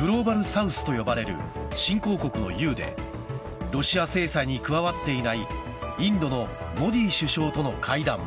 グローバルサウスと呼ばれる新興国の雄でロシア制裁に加わっていないインドのモディ首相との会談も。